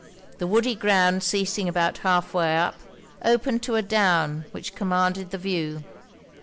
The woody ground ceasing about half way up, opened to a down which commanded the view.